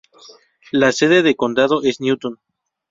La sede de condado es Newton.